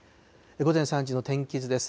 午前３時の天気図です。